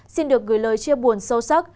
xin được gửi lời chia buồn sâu sắc